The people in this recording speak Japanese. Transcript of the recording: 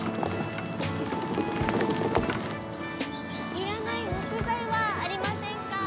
いらない木材はありませんか？